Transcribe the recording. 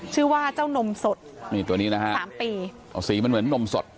ชื่อว่าเจ้านมสดนี่ตัวนี้นะฮะสามปีอ๋อสีมันเหมือนนมสด